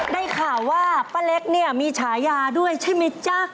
ได้ข่าวว่าป้าเล็กเนี่ยมีฉายาด้วยใช่ไหมจ๊ะ